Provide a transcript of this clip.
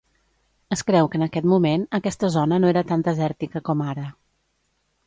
Es creu que en aquest moment, aquesta zona no era tan desèrtica com ara.